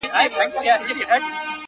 • د وګړو آوازونه لوړېدله ,